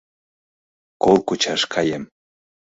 Кол кучаш каем.